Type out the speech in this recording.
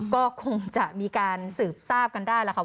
ก็คงจะมีการสืบทราบกันได้แล้วค่ะ